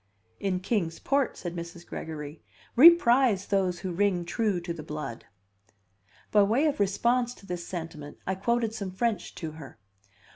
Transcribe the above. "In Kings Port," said Mrs. Gregory, "we prize those who ring true to the blood." By way of response to this sentiment, I quoted some French to her.